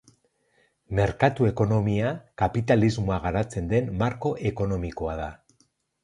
Merkatu-ekonomia kapitalismoa garatzen den marko ekonomikoa da.